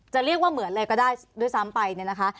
จะเรียกว่าเหมือนเลยก็ได้ด้วยซ้ำไปเนี่ยนะคะ